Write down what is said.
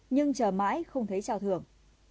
nhưng chờ mãi không thấy trào thưởng